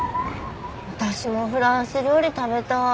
私もフランス料理食べたい。